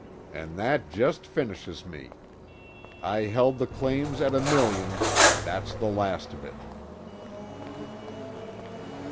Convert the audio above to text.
"And that just finishes me I held the claims at a million and that's the last of it."